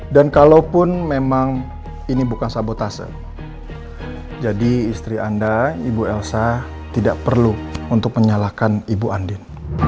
dan kalaupun memang ini bukan sabotase jadi istri anda ibu elsa tidak perlu untuk menyalahkan ibu andin